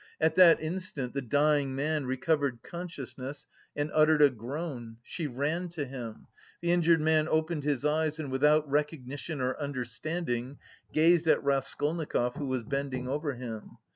At that instant the dying man recovered consciousness and uttered a groan; she ran to him. The injured man opened his eyes and without recognition or understanding gazed at Raskolnikov who was bending over him.